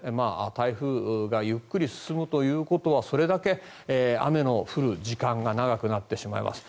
台風がゆっくり進むということはそれだけ雨の降る時間が長くなってしまいます。